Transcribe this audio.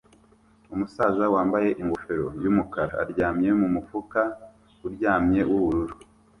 Umusaza wambaye ingofero yumukara aryamye mumufuka uryamye wubururu